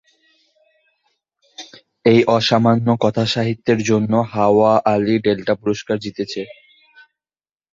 এই অসামান্য কথাসাহিত্যের জন্য হাওয়া আলী ডেল্টা পুরস্কার জিতেছেন।